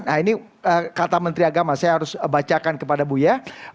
nah ini kata menteri agama saya harus bacakan kepada buya